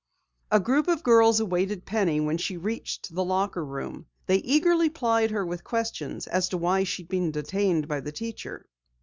A group of girls awaited Penny when she reached the locker room. They eagerly plied her with questions as to why she had been detained by the teacher.